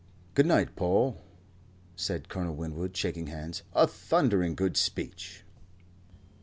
"Good night, Paul," said Colonel Winwood, shaking hands. "A thundering good speech."